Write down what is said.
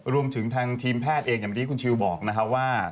รวมถึงทางทีมแพทย์เองอย่างที่คุณชิวบอกนะคะว่า